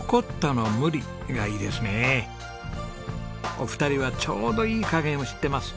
お二人はちょうどいい加減を知っています。